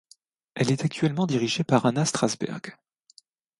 Elle est actuellement dirigée par Anna Strasberg.